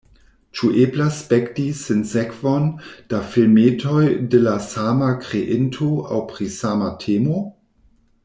Ĉu eblas spekti sinsekvon da filmetoj de la sama kreinto aŭ pri sama temo?